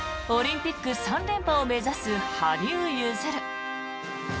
オリンピック３連覇を目指す羽生結弦。